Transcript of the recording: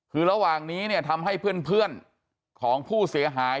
คือระหว่างนี้เนี่ยทำให้เพื่อนของผู้เสียหาย